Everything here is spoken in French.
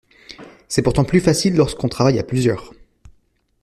C'est pourtant plus facile lorsqu'on travaille à plusieurs.